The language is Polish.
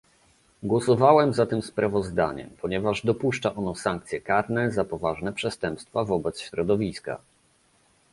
Głosowałam za tym sprawozdaniem, ponieważ dopuszcza ono sankcje karne za poważne przestępstwa wobec środowiska